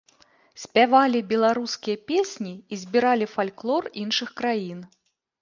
Спявалі беларускія песні і збіралі фальклор іншых краін.